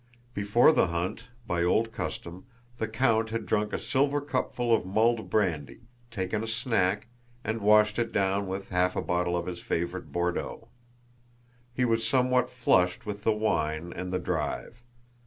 Before the hunt, by old custom, the count had drunk a silver cupful of mulled brandy, taken a snack, and washed it down with half a bottle of his favorite Bordeaux. He was somewhat flushed with the wine and the drive.